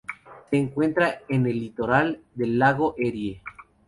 Se encuentra en el litoral del lago Erie.